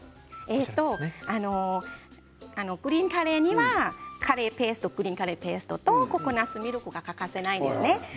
グリーンカレーにはグリーンカレーペーストとココナツミルクが欠かせないですね。